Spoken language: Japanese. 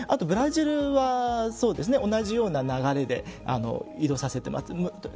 ブラジルは、同じような流れで移動させています。